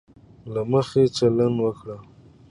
له مخي چلند وکړي.